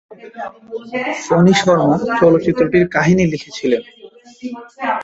ফণী শর্মা চলচ্চিত্রটির কাহিনী লিখেছিলেন।